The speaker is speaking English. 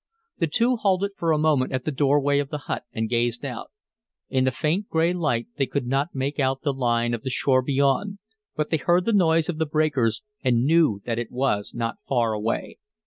The two halted for a moment at the doorway of the hut and gazed out. In the faint gray light they could not make out the line of the shore beyond, but they heard the noise of the breakers and knew that it was not far away.